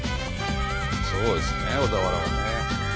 すごいですね小田原はね。